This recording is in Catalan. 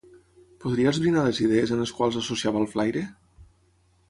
Podria esbrinar les idees en les quals associava el flaire?